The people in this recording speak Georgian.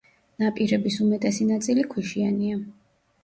ნაპირების უმეტესი ნაწილი ქვიშიანია.